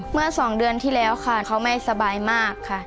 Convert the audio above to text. เมื่อ๒เดือนที่แล้วค่ะเขาไม่สบายมากค่ะ